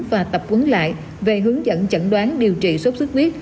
và tập quấn lại về hướng dẫn chẩn đoán điều trị sốt sốt huyết